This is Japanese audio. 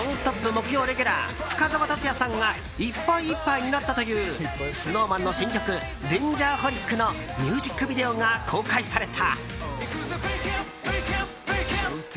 木曜レギュラー、深澤辰哉さんがいっぱいいっぱいになったというＳｎｏｗＭａｎの新曲「Ｄａｎｇｅｒｈｏｌｉｃ」のミュージックビデオが公開された。